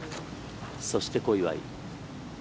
そして小祝。